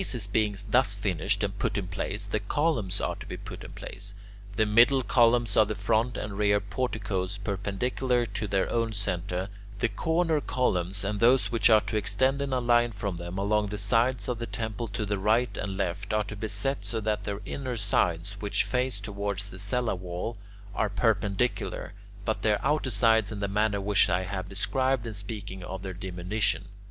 The bases being thus finished and put in place, the columns are to be put in place: the middle columns of the front and rear porticoes perpendicular to their own centre; the corner columns, and those which are to extend in a line from them along the sides of the temple to the right and left, are to be set so that their inner sides, which face toward the cella wall, are perpendicular, but their outer sides in the manner which I have described in speaking of their diminution.